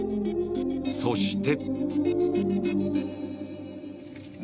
そして。